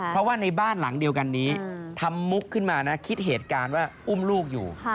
เพราะว่าในบ้านหลังเดียวกันนี้ทำมุกขึ้นมานะคิดเหตุการณ์ว่าอุ้มลูกอยู่